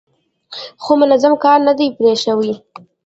خو منظم کار نه دی پرې شوی.